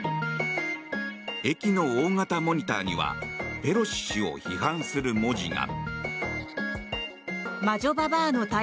駅の大型モニターにはペロシ氏を批判する文字が。